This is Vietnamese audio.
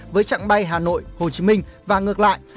với trạng bay hà nội hồ chí minh và ngược lại